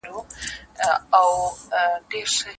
ستا د خالپوڅو د شوخیو وطن